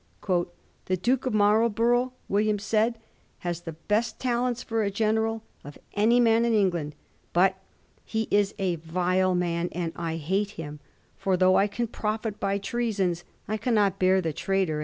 * The Duke of Marl borough,' William said, * has the best talents for a general of any man in England ; but he is a vile man and I hate him, for though I can profit by treasons I cannot bear the traitor.'